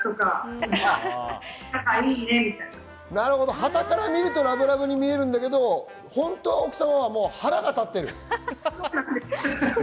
はたから見るとラブラブに見えるんだけれども、本当は奥さんは腹が立っている。